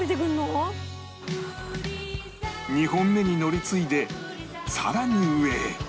２本目に乗り継いで更に上へ